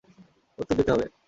উত্তর দিতে হবে।